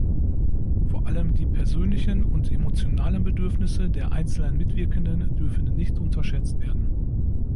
Vor allem die persönlichen und emotionalen Bedürfnisse der einzelnen Mitwirkenden dürfen nicht unterschätzt werden.